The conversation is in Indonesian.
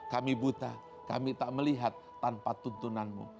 kami buta kami tak melihat tanpa tuntunanmu